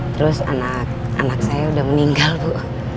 terus anak anak saya udah meninggal bu